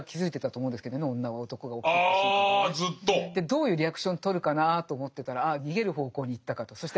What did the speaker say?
どういうリアクションとるかなぁと思ってたらあ逃げる方向に行ったかと。